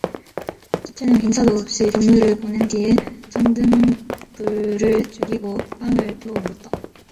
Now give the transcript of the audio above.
첫째는 인사도 없이 동무를 보낸 뒤에 전등불을 죽이고 빵을 다 먹었다.